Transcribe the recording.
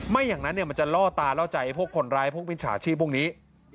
ไม่อย่างนั้นมันจะล่อตาล่อใจพวกคนร้ายพวกมิจฉาชีพพวกนี้